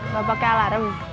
gak pakai alarm